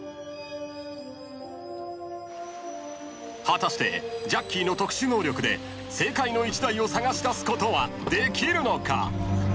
［果たしてジャッキーの特殊能力で正解の１台を捜し出すことはできるのか？］